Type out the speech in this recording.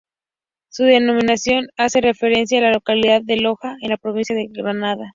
Su denominación hace referencia a la localidad de Loja, en la provincia de Granada.